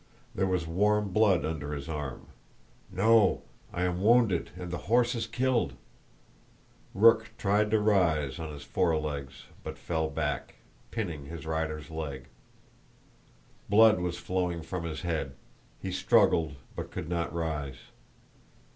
There was warm blood under his arm. "No, I am wounded and the horse is killed." Rook tried to rise on his forelegs but fell back, pinning his rider's leg. Blood was flowing from his head; he struggled but could not rise.